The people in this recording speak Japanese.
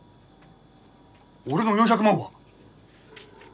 俺の４００万は！？